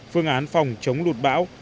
phương án phòng chống lụt bão